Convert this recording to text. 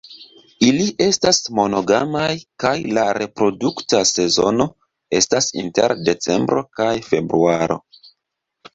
Ili estas monogamaj kaj la reprodukta sezono estas inter decembro kaj februaro.